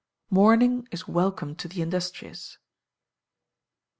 [MORNING IS WELCOME TO THE INDUSTRIOUS.